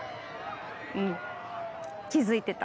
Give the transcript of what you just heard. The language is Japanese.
うん気付いてた？